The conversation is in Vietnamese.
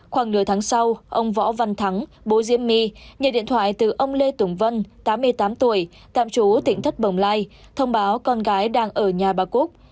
khoảng nửa tháng sau ông võ văn thắng bố diê my nhờ điện thoại từ ông lê tùng vân tám mươi tám tuổi tạm chú tỉnh thất bồng lai thông báo con gái đang ở nhà bà cúc